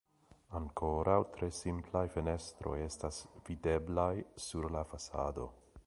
Ankoraŭ tre simplaj fenestroj estas videblaj sur la fasado.